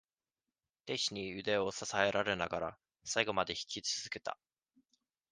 弟子に腕を支えられながら、最後まで引き続けた。